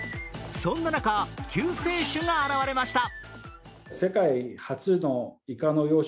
そんな中、救世主が現れました。